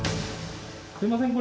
すいません